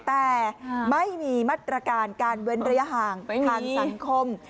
แต่ไม่มีมาตรการการเว้นระยะห่างทางสังคม